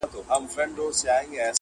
دریم لوری یې د ژوند نه دی لیدلی-